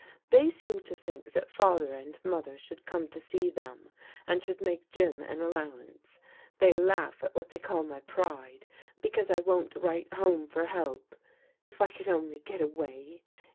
They seem to think that Father and Mother should come to see them, and should make Jim an allowance. They laugh at what they call my pride because I won't write home for help. If I could only get away!